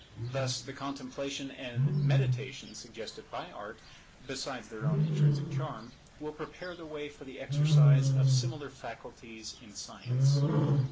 Thus the contemplation and meditation suggested by Art, besides their own intrinsic charm, will prepare the way for the exercise of similar faculties in Science.